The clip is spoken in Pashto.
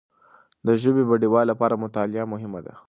د ژبي بډایوالي لپاره مطالعه مهمه ده.